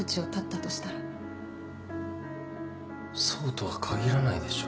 そうとは限らないでしょ。